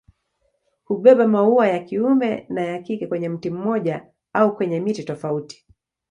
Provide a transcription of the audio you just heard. Hubeba maua ya kiume na ya kike kwenye mti mmoja au kwenye miti tofauti.